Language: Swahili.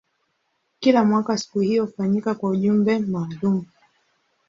Kila mwaka siku hiyo hufanyika kwa ujumbe maalumu.